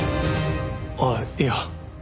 あっいや。